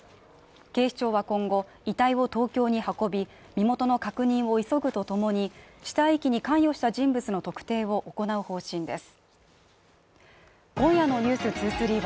警視庁は今後、遺体を東京に運び、身元の確認を急ぐとともに、死体遺棄に関与した人物の特定を行う方針です。